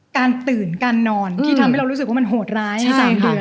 การตื่นการนอนที่ทำให้เรารู้สึกว่ามันโหดร้าย